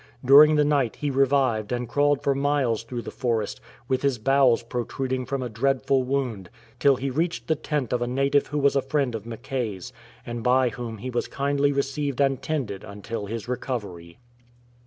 During the night he revived and crawled for miles through the forest, with his bowels protruding from a dreadful wound, till he reached the tent of a native who was a friend of Mackay's, and by whom he was kindly received and tended until his recovery.